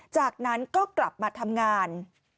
จากนั้นก็กลับมาทำงาน